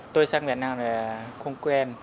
tôi sang việt nam là không quen